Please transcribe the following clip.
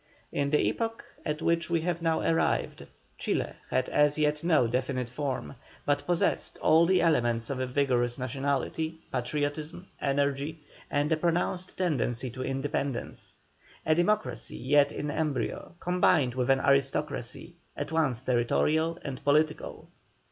In the epoch at which we have now arrived, Chile had as yet no definite form, but possessed all the elements of a vigorous nationality, patriotism, energy, and a pronounced tendency to independence; a democracy yet in embryo, combined with an aristocracy at once territorial and political.